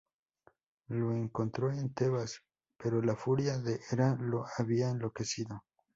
Lo encontró en Tebas, pero la furia de Hera lo había enloquecido.